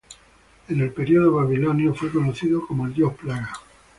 En el período babilonio, fue conocido como el dios plaga.